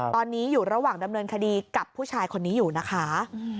ตอนนี้อยู่ระหว่างดำเนินคดีกับผู้ชายคนนี้อยู่นะคะ